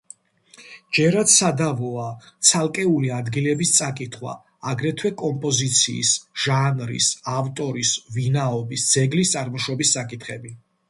ჯერაც სადავოა ცალკეული ადგილების წაკითხვა, აგრეთვე კომპოზიციის, ჟანრის, ავტორის ვინაობის, ძეგლის წარმოშობის საკითხები.